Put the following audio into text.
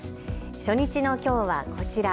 初日のきょうはこちら！